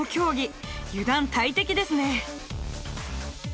油断大敵ですね！